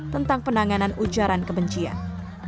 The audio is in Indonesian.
tentang penanganan ujaran kebencian